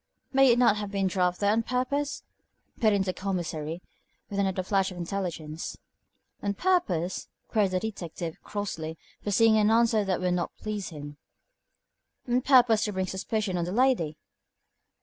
"May it not have been dropped there on purpose?" put in the Commissary, with another flash of intelligence. "On purpose?" queried the detective, crossly, foreseeing an answer that would not please him. "On purpose to bring suspicion on the lady?"